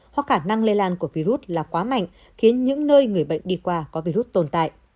hoặc khả năng lây lan của virus là quá mạnh khiến những nơi người bệnh đi qua có virus tồn tại